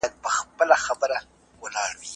سرمایه داري په ټولنه کي طبقات رامنځته کوي.